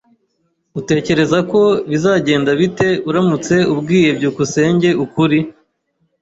Utekereza ko bizagenda bite uramutse ubwiye byukusenge ukuri?